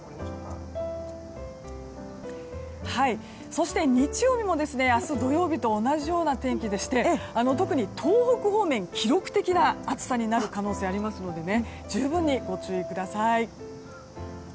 そして、日曜日も明日土曜日と同じような天気でして、特に東北方面記録的な暑さになる可能性がありますので十分にご注意ください。